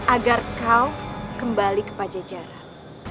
agar kau kembali kepada jarak